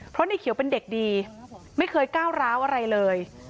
เพราะในเขียวเป็นเด็กดีไม่เคยก้าวร้าวอะไรเลย